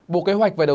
bộ kế hoạch về đầu tư